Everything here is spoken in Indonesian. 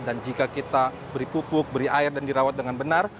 dan jika kita beri pupuk beri air dan dirawat dengan benar